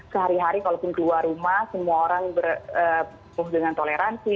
sehari hari kalau pun keluar rumah semua orang berpengalaman dengan toleransi